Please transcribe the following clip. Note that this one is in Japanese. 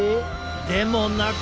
でもなく。